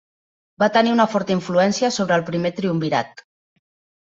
Va tenir una forta influència sobre el Primer Triumvirat.